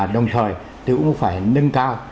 đồng thời cũng phải nâng cao